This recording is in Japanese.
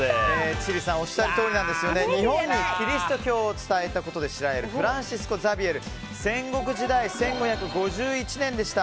千里さんがおっしゃるとおり日本にキリスト教を伝えたことで知られるフランシスコ・ザビエル戦国時代、１５５１年でした。